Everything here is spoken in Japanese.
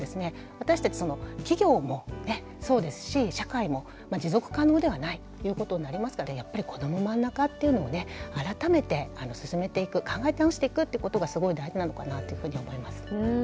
私たち企業もそうですし社会も持続可能ではないということになりますからやっぱり「こどもまんなか」っていうのをね改めて進めていく考え直していくってことがすごい大事なのかなというふうに思います。